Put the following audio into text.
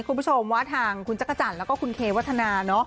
คุณผู้ชมว่าทางคุณจักรจันทร์แล้วก็คุณเควัฒนา